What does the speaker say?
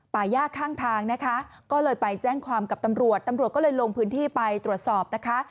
ยากข้างทางนะคะก็เลยไปแจ้งความกับตำรวจตำรวจก็เลยลงพื้นที่ไปตรวจสอบนะคะ